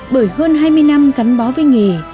bởi hơn hai mươi năm cắn bó với nghề